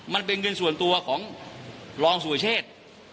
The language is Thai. มันเป็นเงินส่วนตัวของรองสุรเชษ